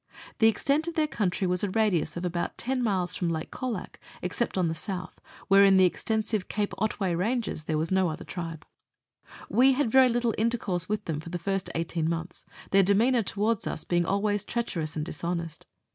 The extent of their country was a radius of about 10 miles from Lake Colac exce*pt on the south, where in the extensive Cape Otway Ranges there was no other tribe. We had very little intercourse with them for the first eighteen months, their demeanour towards us being always treacherous and dishonest.